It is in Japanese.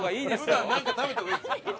普段なんか食べた方がいいですよ。